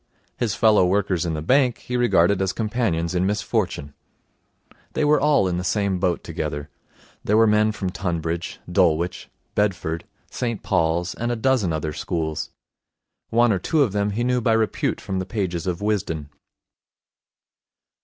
His fellow workers in the bank he regarded as companions in misfortune. They were all in the same boat together. There were men from Tonbridge, Dulwich, Bedford, St Paul's, and a dozen other schools. One or two of them he knew by repute from the pages of Wisden.